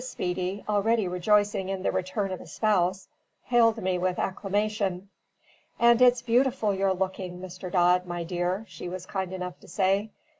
Speedy, already rejoicing in the return of a spouse, hailed me with acclamation. "And it's beautiful you're looking, Mr. Dodd, my dear," she was kind enough to say.